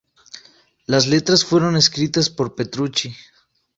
Las letras fueron escritas por Petrucci.